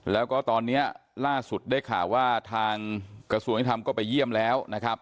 แล้วก็ตอนนี้ล่าสุดได้ข่าวว่าทางกระทรวงยุทธรรมก็ไปเยี่ยมแล้วนะครับ